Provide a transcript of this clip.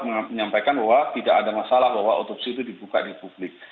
menyampaikan bahwa tidak ada masalah bahwa otopsi itu dibuka di publik